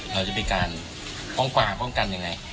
เราจะมีการป้องกวางป้องกันยังไง